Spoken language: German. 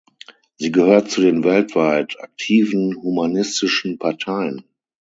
Sie gehört zu den weltweit aktiven Humanistischen Parteien.